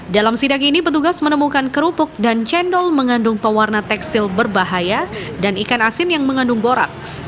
dalam sidang ini petugas menemukan kerupuk dan cendol mengandung pewarna tekstil berbahaya dan ikan asin yang mengandung boraks